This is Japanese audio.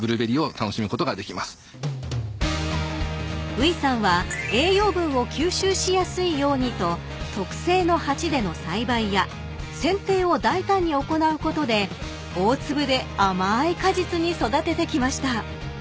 ［宇井さんは栄養分を吸収しやすいようにと特製の鉢での栽培や剪定を大胆に行うことで大粒で甘い果実に育ててきました］